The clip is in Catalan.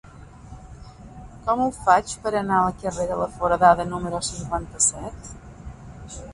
Com ho faig per anar al carrer de la Foradada número cinquanta-set?